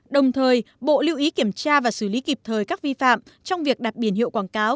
đồng thời bộ lưu ý kiểm tra và xử lý kịp thời các vi phạm trong việc đặt biển hiệu quảng cáo